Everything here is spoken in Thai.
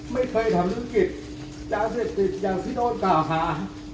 ไม่เคยทำธุรกิจยาเศรษฐศิษย์อย่างที่โดนกล่าวค้า